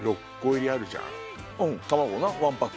うん卵なワンパック。